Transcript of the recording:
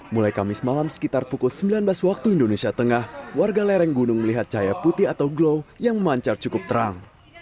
mulai kamis malam sekitar pukul sembilan belas waktu indonesia tengah warga lereng gunung melihat cahaya putih atau glow yang memancar cukup terang